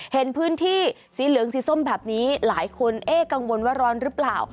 เห็นพื้นที่สีเหลืองสีส้มแบบนี้หลายคนเอ๊ะกังวลว่าร้อนหรือเปล่า